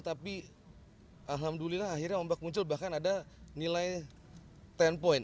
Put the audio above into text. tapi alhamdulillah akhirnya ombak muncul bahkan ada nilai sepuluh point